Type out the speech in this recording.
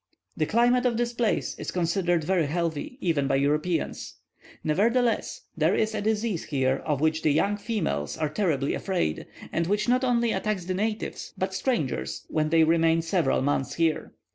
The climate of this place is considered very healthy, even by Europeans. Nevertheless, there is a disease here of which the young females are terribly afraid, and which not only attacks the natives, but strangers, when they remain several months here.